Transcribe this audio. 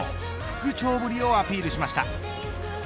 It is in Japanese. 復調ぶりをアピールしました。